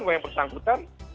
bahwa yang tersangkutan